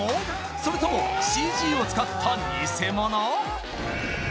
それともＣＧを使ったニセモノ？